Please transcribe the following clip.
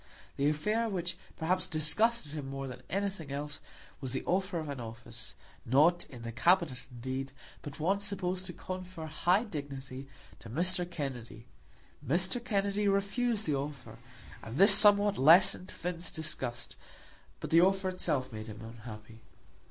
The affair which perhaps disgusted him more than anything else was the offer of an office, not in the Cabinet, indeed, but one supposed to confer high dignity, to Mr. Kennedy. Mr. Kennedy refused the offer, and this somewhat lessened Finn's disgust, but the offer itself made him unhappy.